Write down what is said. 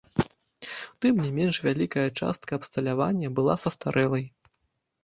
Тым не менш, вялікая частка абсталявання была састарэлай.